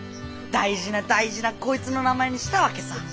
大事な大事なこいつの名前にしたわけさぁ。